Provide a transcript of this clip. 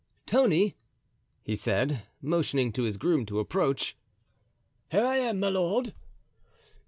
"Tony," he said, motioning to his groom to approach. "Here I am, my lord."